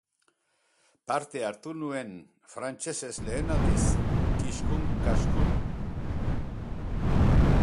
Parte hartu nuen, frantsesez lehen aldiz, kiskun-kaskun.